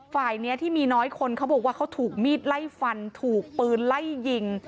ฝ่ายนี้ที่มีน้อยคนเขาบอกว่าเขาถูกมีดไล่ฟันถูกปืนไล่ยิง